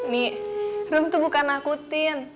nih nih tuh bukan nakutin